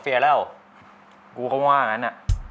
ชื่อฟอยแต่ไม่ใช่แฟง